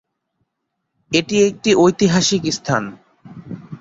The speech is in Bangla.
এটা একটি ঐতিহাসিক স্থান।